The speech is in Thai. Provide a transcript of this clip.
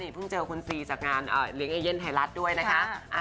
เพิ่งเจอคุณซีจากงานเลี้ยงเอเย่นไทยรัฐด้วยนะคะ